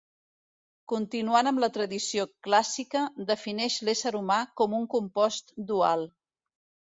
Continuant amb la tradició clàssica, defineix l'ésser humà com un compost dual.